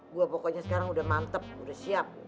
gue pokoknya sekarang udah mantep udah siap